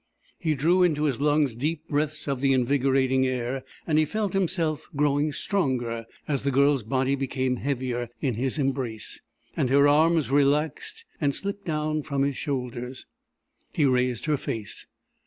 He drew into his lungs deep breaths of the invigorating air, and he felt himself growing stronger as the Girl's body became heavier in his embrace, and her arms relaxed and slipped down from his shoulders. He raised her face.